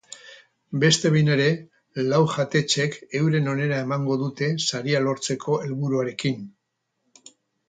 Beste behin ere, lau jatetxek euren onena emango dute saria lortzeko helburuarekin.